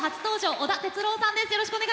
織田哲郎さんです。